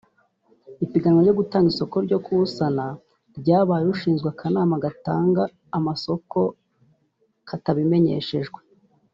ipiganwa ryo gutanga isoko ryo kuwusana ryabaye abashinzwe akanama gatanga amasoko katabimenyeshejwe